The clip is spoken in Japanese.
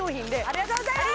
ありがとうございます！